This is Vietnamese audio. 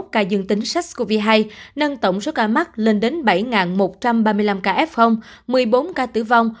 ba trăm bảy mươi một ca dương tính sars cov hai nâng tổng số ca mắc lên đến bảy một trăm ba mươi năm ca f một mươi bốn ca tử vong